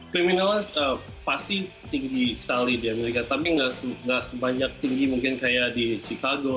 kriminalnya pasti tinggi sekali di amerika tapi nggak sebanyak tinggi mungkin kayak di chicago